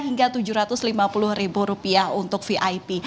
hingga tujuh ratus lima puluh ribu rupiah untuk vip